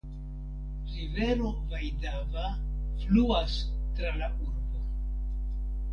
Rivero Vaidava fluas tra la urbo.